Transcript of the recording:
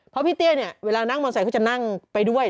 เพราะพี่เตี้ยเวลานั่งมชก็จะนั่งไปด้วย